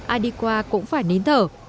ai đi qua cũng phải nín thở